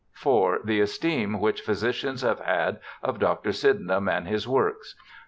4. The esteem which physicians have had of Dr. Syden ham and his works. 5.